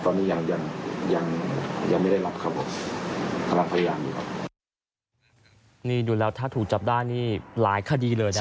ตอนนี้ยังยังยังไม่ได้รับครับผมกำลังพยายามอยู่ครับนี่ดูแล้วถ้าถูกจับได้นี่หลายคดีเลยนะ